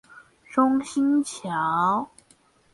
中興橋